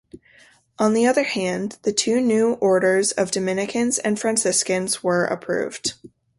On the other hand, the two new orders of Dominicans and Franciscans were approved.